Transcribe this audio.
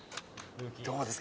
どうですか？